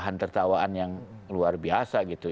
bahan tertawaan yang luar biasa gitu